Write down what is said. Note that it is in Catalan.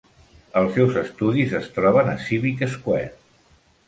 Els seus estudis es troben a Civic Square.